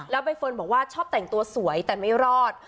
ใบเฟิร์นบอกว่าชอบแต่งตัวสวยแต่ไม่รอด